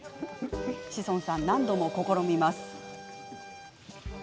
志尊さん、何度も試みます。